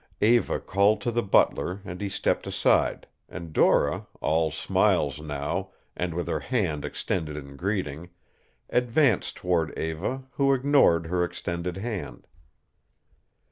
Eva called to the butler and he stepped aside, and Dora, all smiles now, and with her hand extended in greeting, advanced toward Eva, who ignored her extended hand.